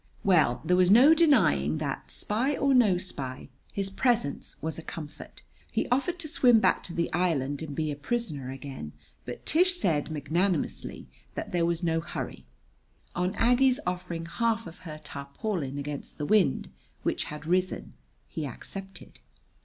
Well, there was no denying that, spy or no spy, his presence was a comfort. He offered to swim back to the island and be a prisoner again, but Tish said magnanimously that there was no hurry. On Aggie's offering half of her tarpaulin against the wind, which had risen, he accepted.